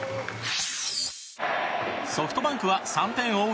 ソフトバンクは３点を追う